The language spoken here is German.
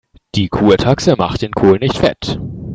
Die Kurtaxe macht den Kohl nicht fett.